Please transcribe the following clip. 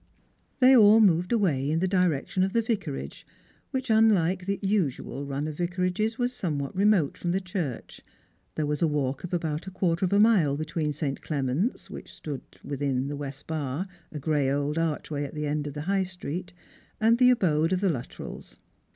They all moved away in the direction of the Vicarage, which, unlike the usual run of vicarages, was somewhat remote from the church. There was a walk of about a quarter of a mile between St. Clement's, v/hich stood just within the West Bar, a gray old archwjiy at the end of the high street, and the abode of th« Luttrells.